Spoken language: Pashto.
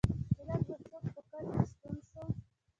چې لږ به څوک په کټ کې ستون شو.